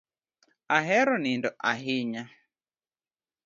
Ahero nindo ahinya.